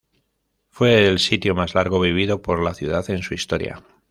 Fue el sitio más largo vivido por la ciudad en su historia.